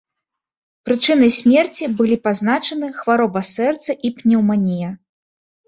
Прычынай смерці былі пазначаны хвароба сэрца і пнеўманія.